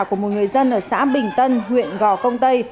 của một người dân ở xã bình tân huyện gò công tây